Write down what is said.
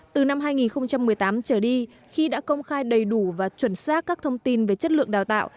từ năm hai nghìn một mươi tám trở đi khi đã công khai đầy đủ và chuẩn xác các thông tin về chất lượng đào tạo